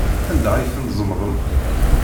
Anda ay tent-tzemḍem?